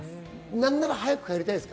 なんなら早く帰りたいです。